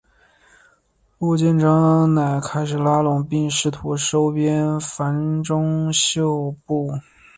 陆建章乃开始拉拢并试图收编樊钟秀部。